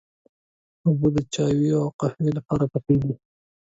اوبه د چايو او قهوې لپاره پخېږي.